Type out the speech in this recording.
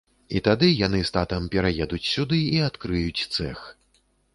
І тады яны з татам пераедуць сюды і адкрыюць цэх.